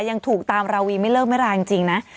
ยังถูกตามราวีไม่เลิกไม่ลาจริงนะ